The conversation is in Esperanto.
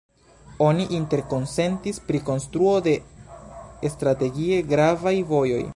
Oni interkonsentis pri konstruo de strategie gravaj vojoj.